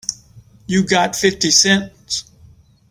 You got fifty cents?